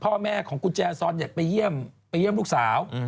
พ่อแม่ของกุญแจซอนอยากไปเยี่ยมลูกสาว